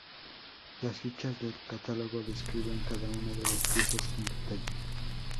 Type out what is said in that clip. Las fichas del catálogo describen cada una de las piezas en detalle.